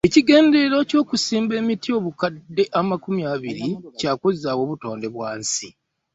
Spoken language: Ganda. Ekigendererwa eky'okusimba emiti obukadde makumi abiri Kya kuzzaawo butonde bwa nsi.